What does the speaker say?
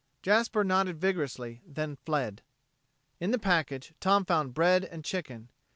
Jasper nodded vigorously, then fled. In the package Tom found bread and chicken.